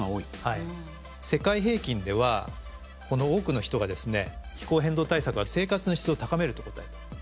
世界平均ではこの多くの人がですね気候変動対策は生活の質を高めると答えた。